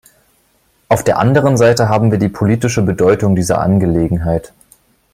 Auf der anderen Seite haben wir die politische Bedeutung dieser Angelegenheit.